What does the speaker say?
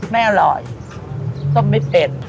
ไม่อร่อยส้มไม่เป็น